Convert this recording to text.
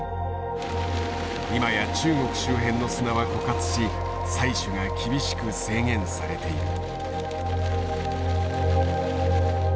今や中国周辺の砂は枯渇し採取が厳しく制限されている。